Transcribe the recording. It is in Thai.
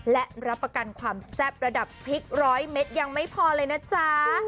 และรับประกันความแซ่บระดับพริกร้อยเม็ดยังไม่พอเลยนะจ๊ะ